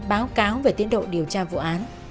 báo cáo về tiến độ điều tra vụ án